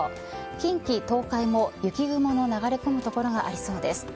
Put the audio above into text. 近畿、東海も雪雲の流れ込む所がありそうです。